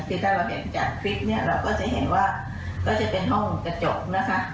ที่เราเห็นจากคลิปจะเป็นห้องกระจกนะคะ